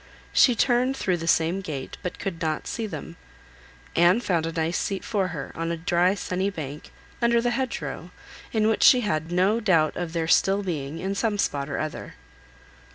She turned through the same gate, but could not see them. Anne found a nice seat for her, on a dry sunny bank, under the hedge row, in which she had no doubt of their still being, in some spot or other.